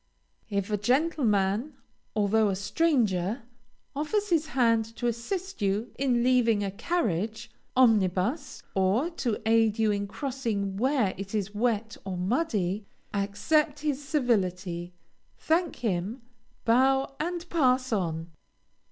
If a gentleman, although a stranger, offers his hand to assist you in leaving a carriage, omnibus, or to aid you in crossing where it is wet or muddy, accept his civility, thank him, bow and pass on.